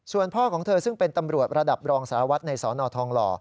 ส่วนพ่อของเธอซึ่งเป็นตำรวจระดับรองสารวัตรในสนทองหล่อ